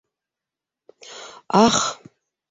- Ах!